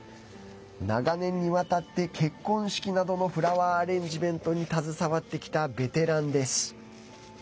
長年にわたって結婚式などのフラワーアレンジメントに携わってきたベテランです。